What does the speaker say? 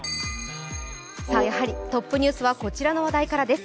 やはりトップニュースはこちらの話題からです。